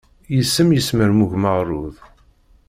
Yis-m yesmermug meɣrud.